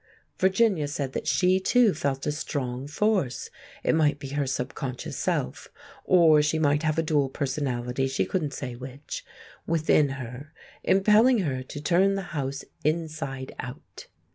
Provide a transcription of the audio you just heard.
Virginia said that she, too, felt a strong force—it might be her sub conscious self, or she might have a dual personality, she couldn't say which—within her, impelling her to turn the house inside out.